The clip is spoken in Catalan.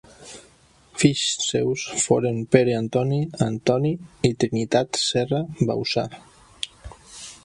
Fills seus foren Pere Antoni, Antoni i Trinitat Serra Bauçà.